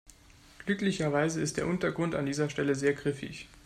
Glücklicherweise ist der Untergrund an dieser Stelle sehr griffig.